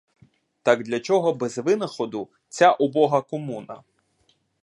Так для чого без винаходу ця убога комуна?